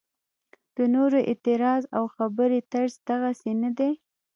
د نورو اعتراض او خبرې طرز دغسې نه دی.